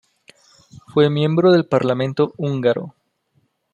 Fue miembro del Parlamento húngaro.